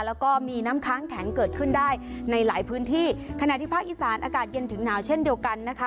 แล้วก็มีน้ำค้างแข็งเกิดขึ้นได้ในหลายพื้นที่ขณะที่ภาคอีสานอากาศเย็นถึงหนาวเช่นเดียวกันนะคะ